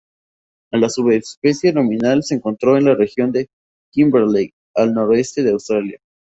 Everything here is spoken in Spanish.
La subespecie nominal se encontró en la región de Kimberley del noroeste de Australia.